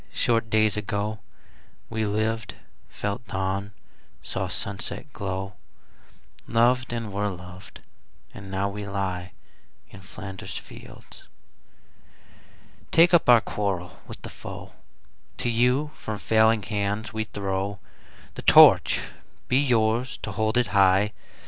Short days ago We lived, felt dawn, saw sunset glow, Loved, and were loved, and now we lie In Flanders fields. Take up our quarrel with the foe: To you from failing hands we throw The Torch: be yours to hold it high!